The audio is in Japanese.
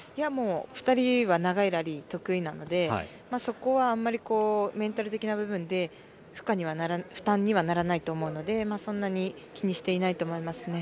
２人は長いラリーが得意なのでそこはあまりメンタル的な部分で負担にはならないと思うのでそんなに気にしていないと思いますね。